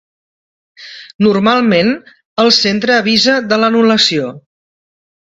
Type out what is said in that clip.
Normalment el centre avisa de l'anul·lació.